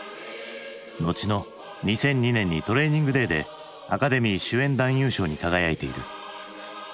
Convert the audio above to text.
後の２００２年に「トレーニングデイ」でアカデミー主演男優賞に輝いている。